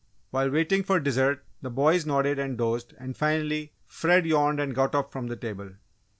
While waiting for dessert, the boys nodded and dozed, and finally, Fred yawned and got up from the table.